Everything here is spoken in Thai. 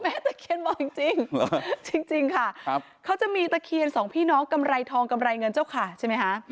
ตะเคียนบอกจริงจริงค่ะเขาจะมีตะเคียนสองพี่น้องกำไรทองกำไรเงินเจ้าขาใช่ไหมคะ